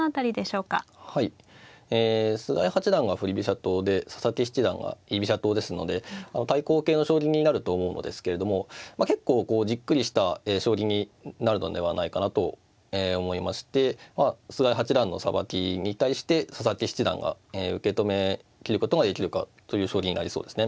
党で佐々木七段は居飛車党ですので対抗型の将棋になると思うのですけれども結構じっくりした将棋になるのではないかなと思いまして菅井八段のさばきに対して佐々木七段が受け止めきることができるかという将棋になりそうですね。